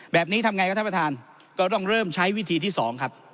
แบบนี้ทำไงครับท่านประธานก็ต้องเริ่มใช้วิธีที่๒ครับ